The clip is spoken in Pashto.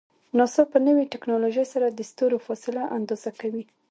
ناسا په نوی ټکنالوژۍ سره د ستورو فاصله اندازه کوي.